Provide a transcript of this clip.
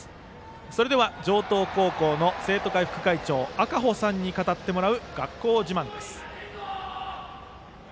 それでは城東高校の生徒会副会長赤保さんに語ってもらう学校自慢です。